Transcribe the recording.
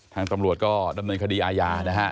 ทางตำรวจก็ดำเนินคดีอาญานะฮะ